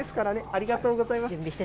ありがとうございます。